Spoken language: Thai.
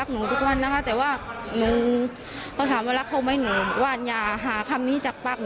เห็นเราก็ไม่ได้ถังครับ